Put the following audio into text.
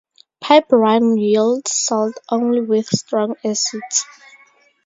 Piperine yields salts only with strong acids.